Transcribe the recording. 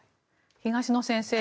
東野先生